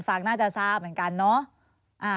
ฟังน่าจะทราบเหมือนกันเนาะ